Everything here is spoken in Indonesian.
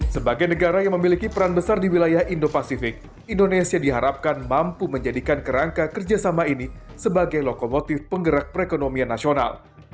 sebagai negara yang memiliki peran besar di wilayah indo pasifik indonesia diharapkan mampu menjadikan kerangka kerjasama ini sebagai lokomotif penggerak perekonomian nasional